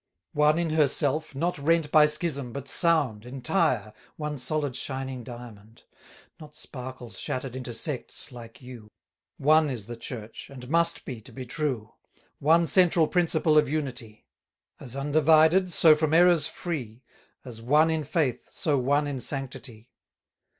One in herself, not rent by schism, but sound, Entire, one solid shining diamond; Not sparkles shatter'd into sects like you: One is the Church, and must be to be true: One central principle of unity. 530 As undivided, so from errors free, As one in faith, so one in sanctity.